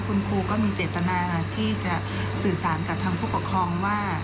คุณครูก็มีเจตนาที่จะสื่อสารกับทางผู้ปกครองว่า